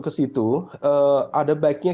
ke situ ada baiknya